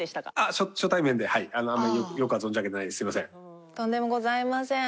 すみません。